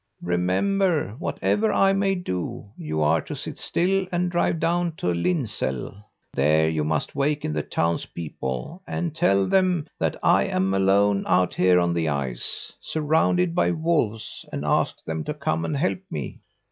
Remember, whatever I may do, you are to sit still and drive down to Linsäll. There you must waken the townspeople and tell them that I'm alone out here on the ice, surrounded by wolves, and ask them to come and help me.'